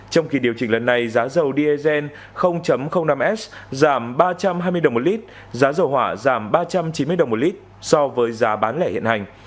trong kỳ điều chỉnh lần này giá dầu diesel năm s giảm ba trăm hai mươi đồng một lít giá dầu hỏa giảm ba trăm chín mươi đồng một lít so với giá bán lẻ hiện hành